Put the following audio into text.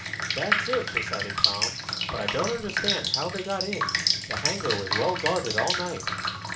"That's it," decided Tom. "But I don't understand how they got in. The hangar was well guarded all night."